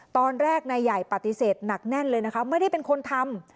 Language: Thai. ตอนแรกนายใหญ่ปฏิเสธหนักแน่นเลยนะคะไม่ได้เป็นคนทำ